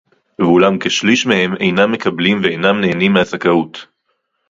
ואולם כשליש מהם אינם מקבלים ואינם נהנים מהזכאות